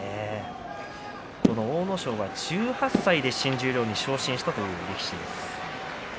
阿武咲は１８歳で新十両に昇進した力士です。